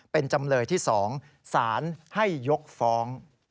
เป็นจำเลยที่๒สารให้ยกฟ้อง